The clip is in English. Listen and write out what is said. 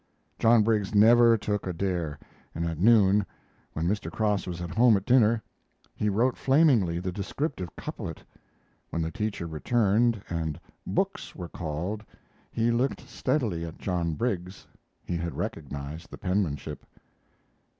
John Briggs never took a dare, and at noon, when Mr. Cross was at home at dinner, he wrote flamingly the descriptive couplet. When the teacher returned and "books" were called he looked steadily at John Briggs. He had recognized the penmanship.